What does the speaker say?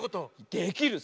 できるさ。